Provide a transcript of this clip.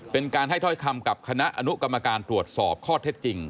เป็นการให้ถ้อยคำกับคณะอนุกรรมการตรวจสอบข้อเท็จจริง